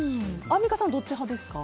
アンミカさんはどっち派ですか？